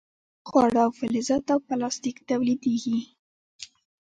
خواړه او فلزات او پلاستیک تولیدیږي.